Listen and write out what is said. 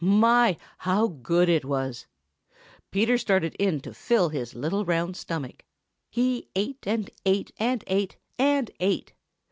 My, how good it was! Peter started in to fill his little round stomach. He ate and ate and ate and ate!